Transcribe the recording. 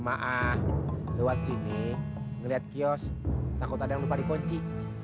jemaah lewat sini ngeliat kios takut ada yang lupa dikunci